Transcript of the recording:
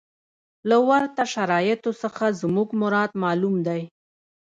له ورته شرایطو څخه زموږ مراد معلوم دی.